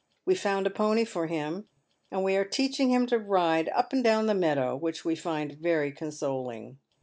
We've found a pony for hirn, and we are teaching him to ride up and down the meadow, which wa find very consoling.